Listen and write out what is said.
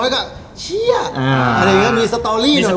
กดจะดีจัง